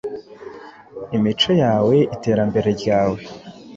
Imico yawe, iterambere ryawe,